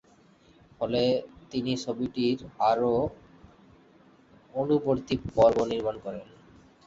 ফলে তিনি ছবিটির আরও অনুবর্তী পর্ব নির্মাণ করে।